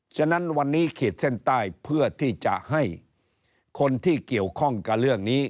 ฉะนั้นวันนี้ขีดเส้นใต้เพื่อที่จะให้คนที่เกี่ยวข้องกับเรื่องนี้